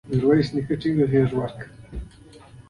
میرویس نیکه ټینګه غېږ ورکړه.